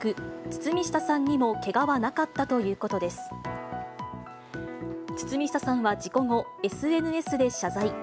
堤下さんは事故後、ＳＮＳで謝罪。